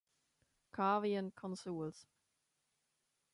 Caveant consules!